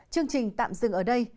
chương trình tạm dừng ở đây